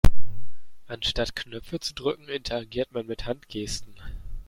Anstatt Knöpfe zu drücken, interagiert man mit Handgesten.